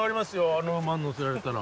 あの馬に乗せられたら。